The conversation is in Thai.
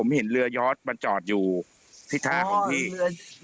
ผมเห็นเรือยศมาจอดอยู่ท่าของพี่